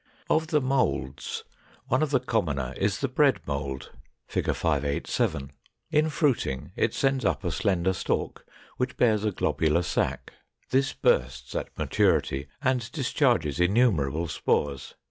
] 518. Of the Moulds, one of the commoner is the Bread Mould (Fig. 587). In fruiting it sends up a slender stalk, which bears a globular sac; this bursts at maturity and discharges innumerable spores.